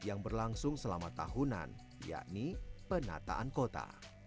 yang berlangsung selama tahunan yakni penataan kota